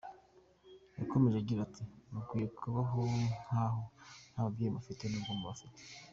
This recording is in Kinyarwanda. Yakomeje agira ati “Mukwiye kubaho nk’aho nta babyeyi mufite nubwo mubafite.